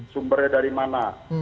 sumbernya dari mana